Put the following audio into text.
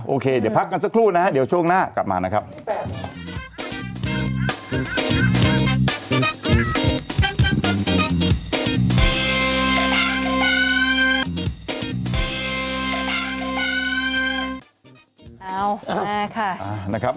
โอเคเดี๋ยวพักกันสักครู่นะฮะเดี๋ยวช่วงหน้ากลับมานะครับ